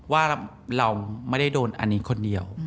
ว่าเราไม่ได้โดนอันนี้คนเดียว